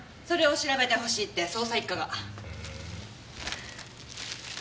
それを調べてほしいって捜査一課が。